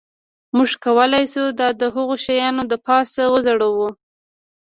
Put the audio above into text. موږ کولی شو دا د هغو شیانو د پاسه وځړوو